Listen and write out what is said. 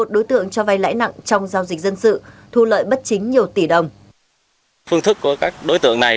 một mươi đối tượng cho vay lãi nặng trong giao dịch dân sự thu lợi bất chính nhiều tỷ đồng